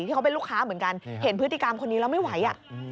ที่เขาเป็นลูกค้าเหมือนกันเห็นพฤติกรรมคนนี้แล้วไม่ไหวอ่ะ